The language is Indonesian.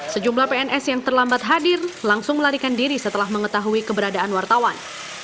sejumlah pns yang terlambat hadir langsung melarikan diri setelah mengetahui keberadaan wartawan